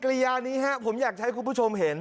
ส่วนปฏิกริยานี้ครับผมอยากใช้คุณผู้ชมเห็น